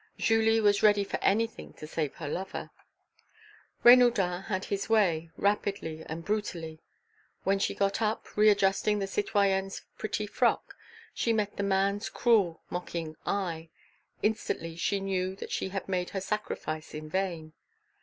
Julie was ready for anything to save her lover. Renaudin had his way, rapidly and brutally. When she got up, readjusting the citoyenne's pretty frock, she met the man's cruel mocking eye; instantly she knew she had made her sacrifice in vain.